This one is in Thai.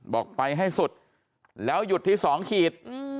บอกไปให้สุดแล้วหยุดที่๒ขีด